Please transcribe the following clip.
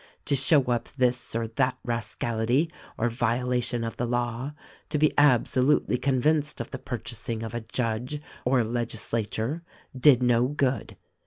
To show up this or that rascality or violation of the law, to be abso lutely convinced of the purchasing of a judge or a legisla ture,' did no good.